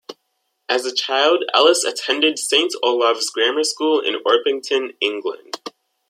As a child, Ellis attended Saint Olave's Grammar School in Orpington, England.